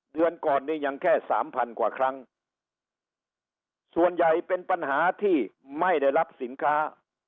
เดือนก่อนนี้ยังแค่สามพันกว่าครั้งส่วนใหญ่เป็นปัญหาที่ไม่ได้รับสินค้า